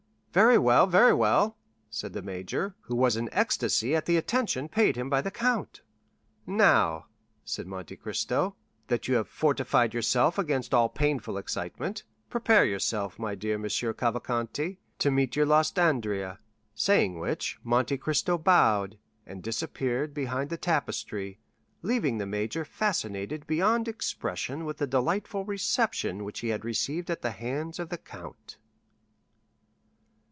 "Very well, very well," said the major, who was in ecstasy at the attention paid him by the count. "Now," said Monte Cristo, "that you have fortified yourself against all painful excitement, prepare yourself, my dear M. Cavalcanti, to meet your lost Andrea." Saying which Monte Cristo bowed, and disappeared behind the tapestry, leaving the major fascinated beyond expression with the delightful reception which he had received at the hands of the count.